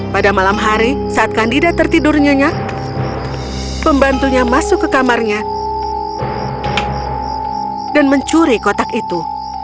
pada malam hari saat candida tertidurnya pembantunya masuk ke kamarnya dan mencuri kotak itu